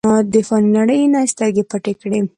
د فانې نړۍ نه سترګې پټې کړې ۔